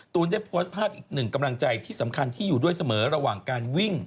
ได้โพสต์ภาพอีกหนึ่งกำลังใจที่สำคัญที่อยู่ด้วยเสมอระหว่างการวิ่ง